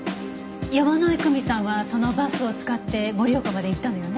山井久美さんはそのバスを使って盛岡まで行ったのよね？